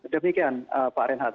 demikian pak renhat